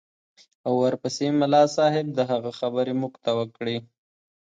او ورپسې ملا صاحب د هغه خبرې موږ ته وکړې.